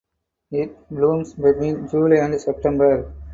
It blooms between July and September.